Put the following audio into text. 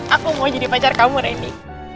aku mau jadi pacar kamu rendy